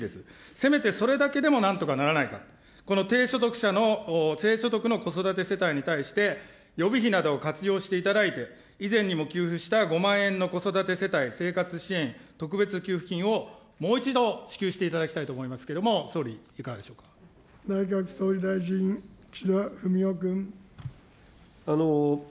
せめてそれだけでもなんとかならないか、この低所得者の、低所得の子育て世帯に対して、予備費などを活用していただいて、以前にも給付した５万円の子育て世帯生活支援特別給付金をもう一度、支給していただきたいと思いますけれども、総理、内閣総理大臣、岸田文雄君。